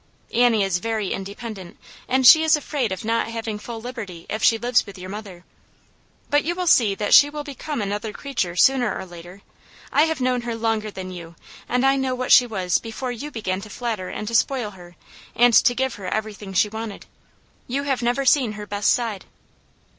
" Annie i^ very independent, and she is afraid of not having full liberty if she lives with your mother. But you will see that she will become another crea ture sooner or later. I have known her longer than you, and I know what she was before you began to flatter and to spoil her, and to give her everything she wanted. You have never seen her best side."